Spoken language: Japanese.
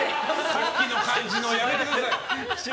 さっきの感じのやめてください！